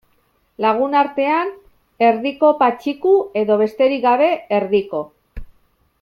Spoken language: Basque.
Lagunartean, Erdiko Patxiku edo, besterik gabe, Erdiko.